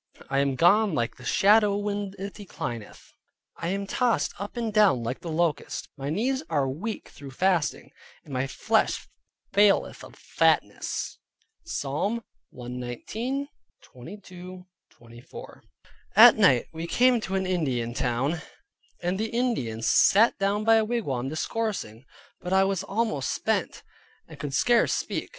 I am gone like the shadow when it declineth: I am tossed up and down like the locust; my knees are weak through fasting, and my flesh faileth of fatness" (Psalm 119.22 24). At night we came to an Indian town, and the Indians sat down by a wigwam discoursing, but I was almost spent, and could scarce speak.